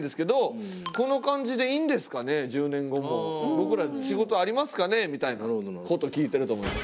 「僕ら仕事ありますかね？」みたいな事を聞いてると思います。